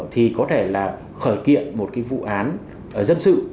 thì có thể là khởi kiện một cái vụ án dân sự